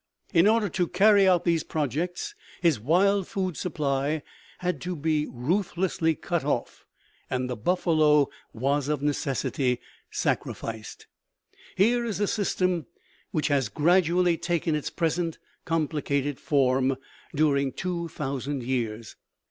In order to carry out these projects his wild food supply had to be ruthlessly cut off, and the buffalo were of necessity sacrificed. Here is a system which has gradually taken its present complicated form during two thousand years.